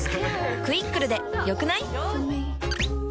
「クイックル」で良くない？